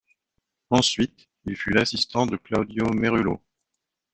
Ensuite, il fut l'assistant de Claudio Merulo.